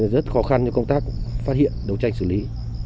rất khó khăn cho công tác phát hiện đấu tranh xử lý